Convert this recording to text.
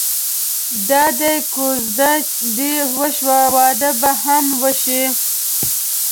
دادی کوژده دې وشوه واده به دې هم وشي.